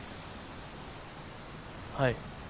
はい。